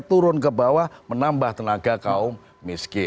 turun ke bawah menambah tenaga kaum miskin